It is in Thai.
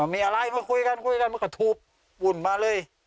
มีอะไรมาคุยกันคุยกันมันก็ทูบวุ่นมาเลย